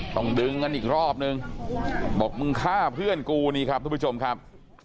ต้องดึงกันอีกรอบนึงบอกมึงฆ่าเพื่อนกูนี่ครับทุกผู้ชมครับ